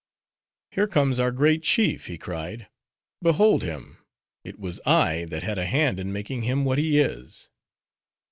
"Here comes our great chief!" he cried. "Behold him! It was I that had a hand in making him what he is!"